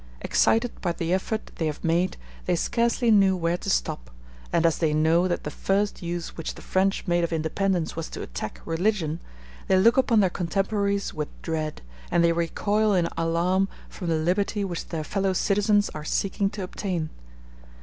Excited by the effort they have made, they scarcely knew where to stop; and as they know that the first use which the French made of independence was to attack religion, they look upon their contemporaries with dread, and they recoil in alarm from the liberty which their fellow citizens are seeking to obtain.